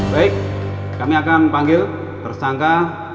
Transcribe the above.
baik kami akan panggil tersangka